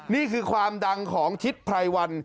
นี่คือความดังของทิศไพรวัน